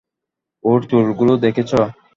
ওর চুলগুলো দেখেছ?